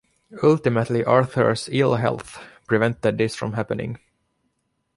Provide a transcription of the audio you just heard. Ultimately Arthur's ill health prevented this from happening.